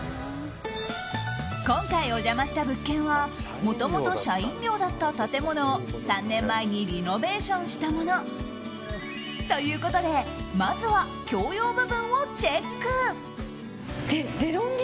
今回お邪魔した物件はもともと社員寮だった建物を３年前にリノベーションしたもの。ということでまずは共用部分をチェック。